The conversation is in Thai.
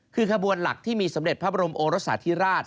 คือขบวนหลักที่มีสมเด็จพระบรมโอรสาธิราช